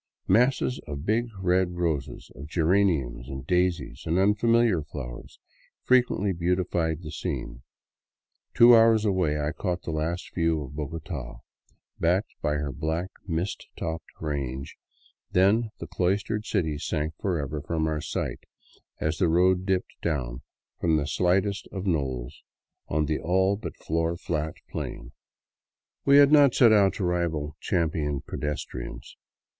Masses of big red roses, of geraniums and daisies and unfamiliar flowers, frequently beautified the scene. Two hours away I caught the last view of Bogota, backed by her black, mist topped range ; then the cloistered city sank forever from our sight as the road dipped down from the slightest of knolls on the all but floor flat plain. 43 k VAGABONDING DOWN THE ANDES We had not set out to rival champion pedestrians.